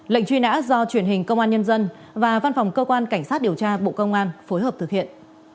lệnh truy nã do truyền hình công an nhân dân và văn phòng cơ quan cảnh sát điều tra bộ công an phối hợp thực hiện